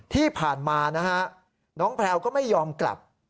ที่ผ่านมานะฮะน้องแพลวก็ไม่ยอมกลับ